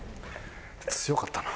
強かったな。